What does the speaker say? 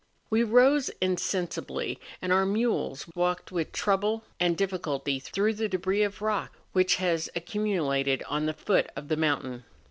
We rose insensibly; and our mules walked with trouble and 292 MOUNTAIN ADVENTURES. difficulty througli the debris of rock which has accu¬ mulated on the foot of the mountain.